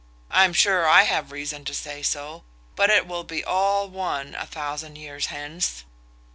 I am sure I have reason to say so; but it will be all one a thousand years hence.